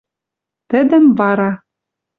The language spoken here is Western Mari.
Тӹдӹм вара